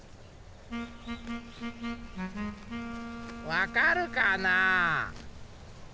わかるかな？